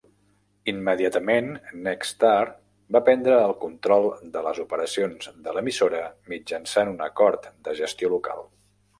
Immediatament, Nexstar va prendre el control de les operacions de l'emissora mitjançant un acord de gestió local.